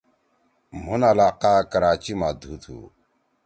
مُھن علاقہ کراچی ما دُھو تُھو۔